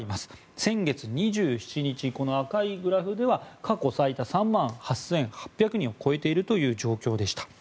先月２７日、この赤いグラフでは過去最多、３万８８００人を超えている状況でした。